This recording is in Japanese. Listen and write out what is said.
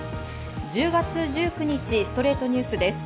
１０月１９日、『ストレイトニュース』です。